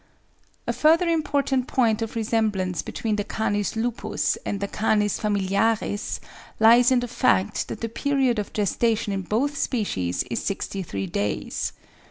A further important point of resemblance between the Canis lupus and the Canis familiaris lies in the fact that the period of gestation in both species is sixty three days.